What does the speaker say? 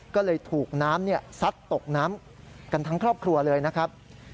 ก็เลยถูกน้ำซัดตกน้ำกันทั้งครอบครัวเลยนะครับ